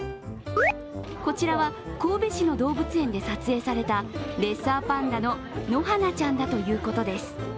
こちらは神戸市の動物園で撮影されたレッサーパンダのノハナちゃんだということです。